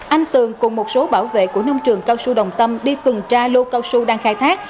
anh tường cùng một số bảo vệ của nông trường cao su đồng tâm đi tuần tra lô cao su đang khai thác